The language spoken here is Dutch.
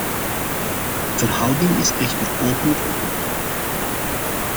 De verhouding is echter opener geworden.